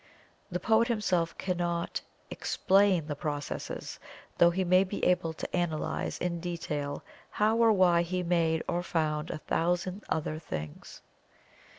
The poet himself cannot explain the processes, though he may be able to analyze in detail how or why he made or found a thousand other things.